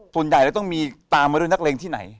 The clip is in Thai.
ส่วนใหญ่ต้องมีตามมาด้วยนักเลงที่ไหน